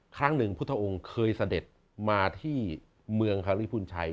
ครั้งหนึ่งพุทธองค์เคยเสด็จมาที่เมืองฮาริพุนชัย